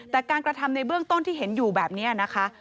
แต่การกระทำในเบื้องต้นที่เห็นอยู่แบบนี้นะคะ